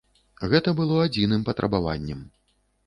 Гэта было адзіным патрабаваннем.